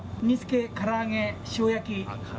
煮つけ、から揚げ、塩焼き。